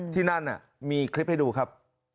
ที่นั่นมีคลิปให้ดูครับ